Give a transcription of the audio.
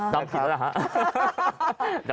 จำผิดแล้วนะฮะ